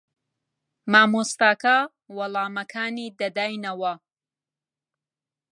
مامۆستاکە وەڵامەکانی دەداینەوە.